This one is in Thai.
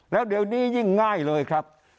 แล้วเดี๋ยวนี้ยิ่งง่ายเลยครับ